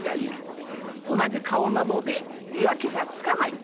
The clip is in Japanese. おなじかおなのでみわけがつかない。